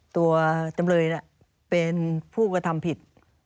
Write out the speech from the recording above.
ตัวจำเลยเป็นผู้กระทำผิด